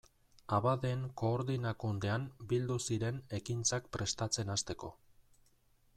Abadeen Koordinakundean bildu ziren ekintzak prestatzen hasteko.